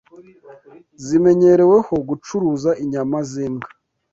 zimenyereweho gucuruza inyama z’imbwa